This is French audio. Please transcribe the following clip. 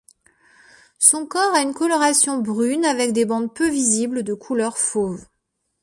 Son corps a une coloration brune avec des bandes peu visibles de couleur fauve.